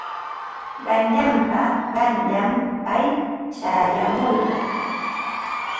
Qanyanpa qanyan pay chayamurqa.